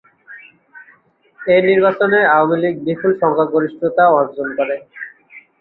এই নির্বাচনে আওয়ামী লীগ বিপুল সংখ্যাগরিষ্ঠতা অর্জন করে।